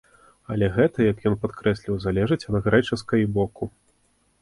Але гэта, як ён падкрэсліў, залежыць ад грэчаскай боку.